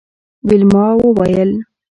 ویلما وویل